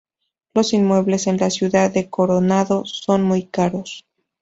Los inmuebles en la ciudad de Coronado son muy caros.